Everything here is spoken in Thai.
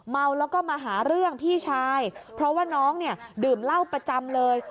เมาแล้วก็มาหาเรื่องพี่ชายเพราะว่าน้องเนี่ยดื่มเหล้าประจำเลย